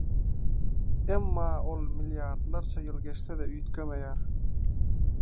emma ol milliardlarça ýyl geçse-de, üýtgemeýär.